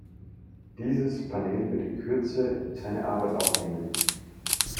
Dieses Panel wird in Kürze seine Arbeit aufnehmen.